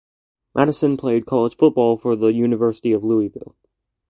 Madison played college football for the University of Louisville.